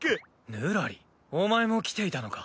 ぬらりお前も来ていたのか。